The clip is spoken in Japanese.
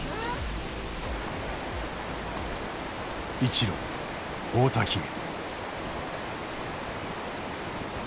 一路大滝へ。